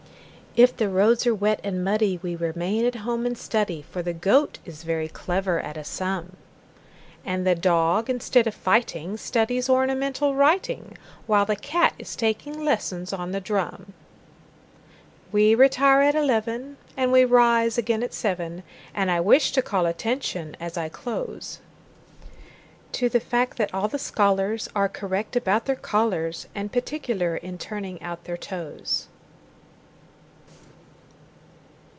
If the roads are wet and muddyWe remain at home and study,—For the Goat is very clever at a sum,—And the Dog, instead of fighting, Studies ornamental writing, While the Cat is taking lessons on the drum. We retire at eleven, And we rise again at seven; And I wish to call attention, as I close, To the fact that all the scholarsAre correct about their collars, And particular in turning out their toes.